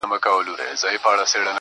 د شېخانو د ټگانو، د محل جنکۍ واوره